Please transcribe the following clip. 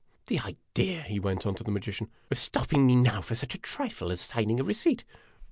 "The idea," he went on, to the magician, "of stopping me now for such a trifle as signing a receipt